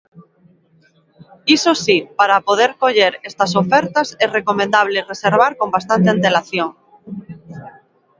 Iso si, para poder coller estas ofertas é recomendable reservar con bastante antelación.